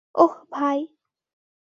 ওহ, ভাই।